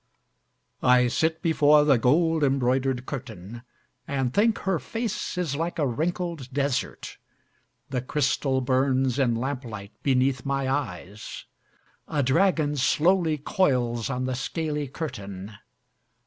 I sit before the gold embroidered curtain And think her face is like a wrinkled desert. The crystal burns in lamplight beneath my eyes. A dragon slowly coils on the scaly curtain.